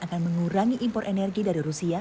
akan mengurangi impor energi dari rusia